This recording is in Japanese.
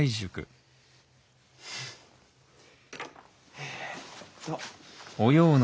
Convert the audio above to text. えっと。